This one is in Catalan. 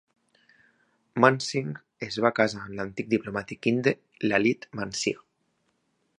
Mansingh es va casar amb l'antic diplomàtic indi Lalit Mansingh.